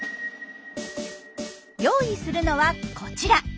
用意するのはこちら。